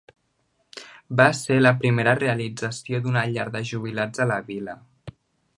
Va ser la primera realització d’una llar de jubilats a la vila.